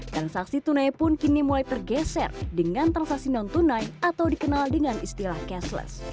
transaksi tunai pun kini mulai tergeser dengan transaksi non tunai atau dikenal dengan istilah cashless